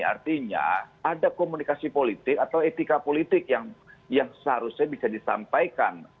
artinya ada komunikasi politik atau etika politik yang seharusnya bisa disampaikan